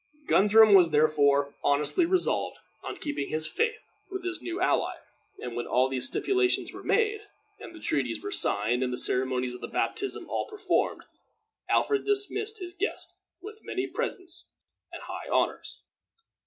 Guthrum was therefore honestly resolved on keeping his faith with his new ally; and when all these stipulations were made, and the treaties were signed, and the ceremonies of the baptism all performed, Alfred dismissed his guest, with many presents and high honors.